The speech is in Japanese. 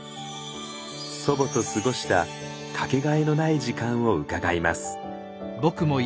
祖母と過ごした掛けがえのない時間を伺います。